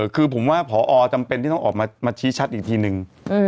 คือผมว่าพอจำเป็นที่ต้องออกมาชี้ชัดอีกทีนึง